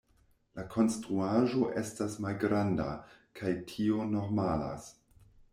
La konstruaĵo estas malgranda, kaj tio normalas.